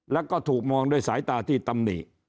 แล้วก็ถูกมองด้วยสายตาที่ตำหนิ